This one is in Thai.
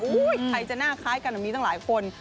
อุ้ยใครจะหน้าคล้ายกันแบบนี้ตั้งหลายคน